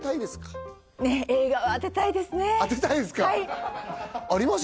映画当てたいですか？